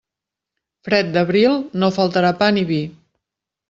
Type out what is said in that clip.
Fred d'Abril, no faltarà pa ni vi.